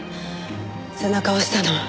背中押したの。